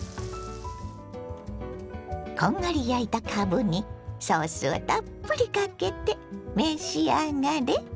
こんがり焼いたかぶにソースをたっぷりかけて召し上がれ！